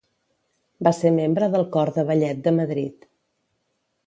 Va ser membre del cor de ballet de Madrid.